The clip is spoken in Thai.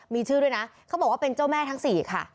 มีชื่อด้วยนะเขาบอกว่าเป็นเจ้าแม่ทั้งสี่ค่ะ